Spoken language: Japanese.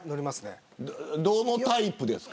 どのタイプですか。